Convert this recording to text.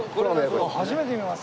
初めて見ます